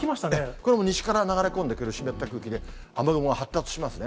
これも西から流れ込んでくる湿った空気で、雨雲が発達しますね。